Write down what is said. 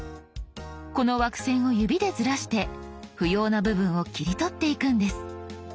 この枠線を指でずらして不要な部分を切り取っていくんです。